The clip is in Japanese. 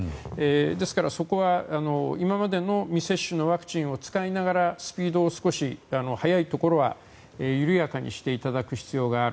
ですからそこは、今までの未接種のワクチンを使いながらスピードを少し速いところは緩やかにしていただく必要がある。